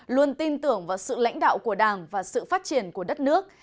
luôn tin tưởng vào sự lãnh đạo của đảng và sự phát triển của đất nước